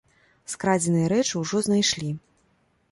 Скрадзеныя рэчы ўжо знайшлі.